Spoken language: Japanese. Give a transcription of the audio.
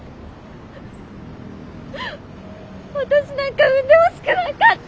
私なんか産んでほしくなかった。